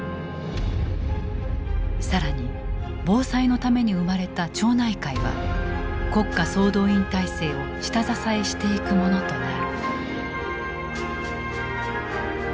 更に防災のために生まれた町内会は国家総動員体制を下支えしていくものとなる。